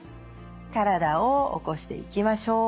体を起こしていきましょう。